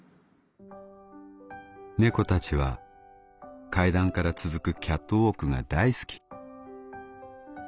「猫たちは階段から続くキャットウォークが大好き」。